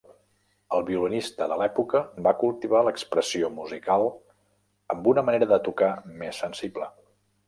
El violinista de l’època va cultivar l’expressió musical amb una manera de tocar més sensible.